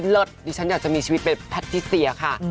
ดิฉันอยากจะมีชีวิตเป็นแพทิเซียค่ะ